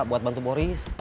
buat bantu boris